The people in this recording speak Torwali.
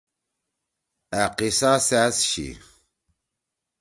أ قیصہ سأس چھی